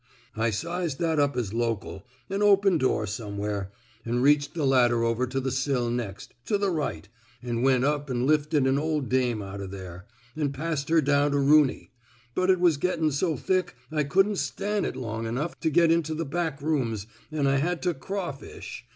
I sized that up as local — an open door somewhere — an' reached the ladder over to the sill next, to the right, an' went up an' lifted an ol' dame out o' there, an' passed her down to Rooney — but it was gettin' so thick I couldn't stan' it long enough to get into the back rooms, an' I had to crawfish.